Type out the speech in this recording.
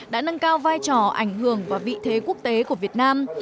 đã nâng cao vai trò ảnh hưởng và vị thế quốc tế của việt nam